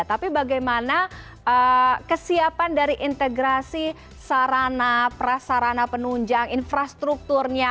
tapi bagaimana kesiapan dari integrasi sarana prasarana penunjang infrastrukturnya